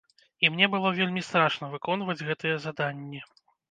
І мне было вельмі страшна выконваць гэтыя заданні.